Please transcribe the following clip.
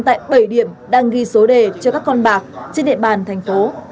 tại bảy điểm đang ghi số đề cho các con bạc trên địa bàn thành phố